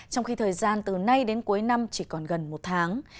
trong khi thời gian từ nay đến cuối năm chỉ còn gần một tháng